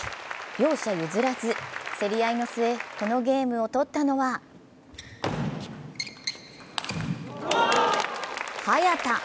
両者譲らず、競り合いの末このゲームをとったのは早田。